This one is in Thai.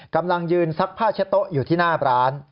กำลังยืนซักผ้าเช็ดโต๊ะอยู่ที่หน้าร้าน